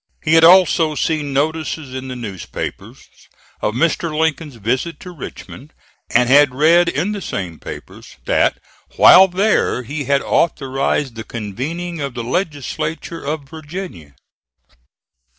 He had also seen notices in the newspapers of Mr. Lincoln's visit to Richmond, and had read in the same papers that while there he had authorized the convening of the Legislature of Virginia.